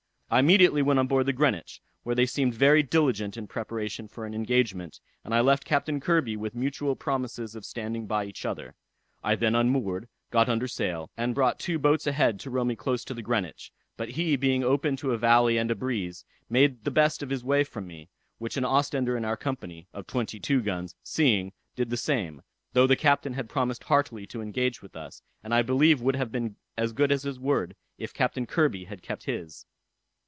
I immediately went on board the Greenwich, where they seemed very diligent in preparation for an engagement, and I left Captain Kirby with mutual promises of standing by each other. I then unmoored, got under sail, and brought two boats a head to row me close to the Greenwich; but he being open to a valley and a breeze, made the best of his way from me; which an Ostender in our company, of twenty two guns, seeing, did the same, though the captain had promised heartily to engage with us, and I believe would have been as good as his word, if Captain Kirby had kept his.